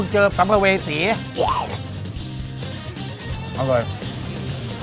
คุณจะมาว่าวอะไรนักหนา